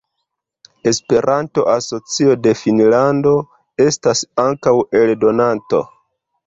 Esperanto-Asocio de Finnlando estas ankaŭ eldonanto.